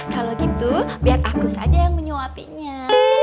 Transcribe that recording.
kalau gitu biar aku saja yang menyuapinya